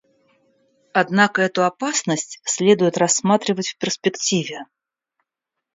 Однако эту опасность следует рассматривать в перспективе.